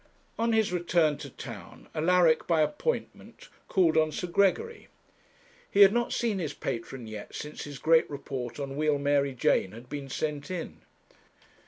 On his return to town, Alaric, by appointment, called on Sir Gregory. He had not seen his patron yet since his great report on Wheal Mary Jane had been sent in.